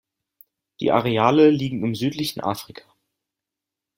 Die Areale liegen im Südlichen Afrika.